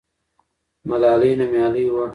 ملالۍ نومیالۍ وه.